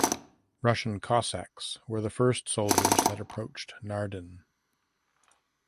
Russian cossacks were the first soldiers that approached Naarden.